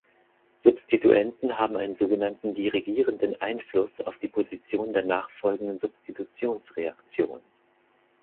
Substituenten haben einen sogenannten dirigierenden Einfluss auf die Position der nachfolgenden Substitutionsreaktion.